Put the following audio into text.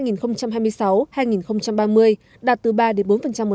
giai đoạn hai nghìn hai mươi sáu hai nghìn ba mươi đạt từ ba bốn một năm